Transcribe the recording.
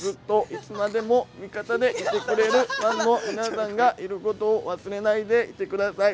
味方でいてくれるファンの皆さんがいることを忘れないでいて下さい。